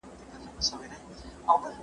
محصلین په خپله کچه علمي پلټني مخته وړي.